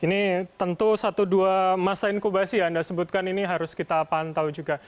ini tentu satu dua masa inkubasi yang anda sebutkan ini harus kita pantau juga